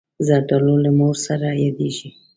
زردالو له مور سره یادېږي.